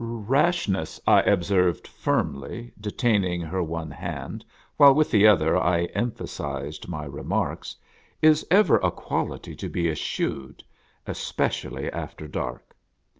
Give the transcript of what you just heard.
"Rashness," I observed, firmly detaining her with one hand, while with the other I emphasized my re marks, " is ever a quality to be eschewed, — especially after dark.